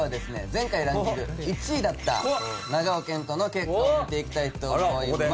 前回ランキング１位だった長尾謙杜の結果を見ていきたいと思います。